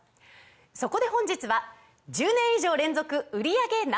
そこで本日は１０年以上連続売り上げＮｏ．１